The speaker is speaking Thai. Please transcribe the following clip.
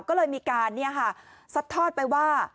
ก็เลยมีการเนี่ยค่ะสัดทอดไปว่า